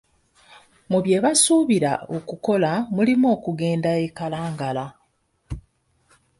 Mu bye basuubira okukola mulimu okugenda e Kalangala.